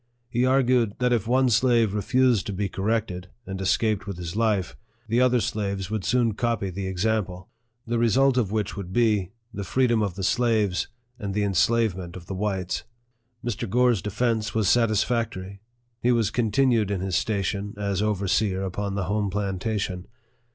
He argued that if one slave refused to be corrected, and escaped with his life, the other slaves would soon copy the example ; the result of which would be, the free dom of the slaves, and the enslavement of the whites. Mr. Gore's defence was satisfactory. He was contin ued in his station as overseer upon the home plantation.